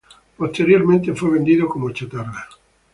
Posteriormente fue vendido como chatarra.